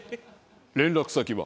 連絡先は？